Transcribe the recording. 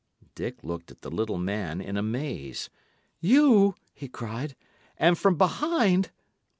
Dick looked at the little man in amaze. "You!" he cried. "And from behind!"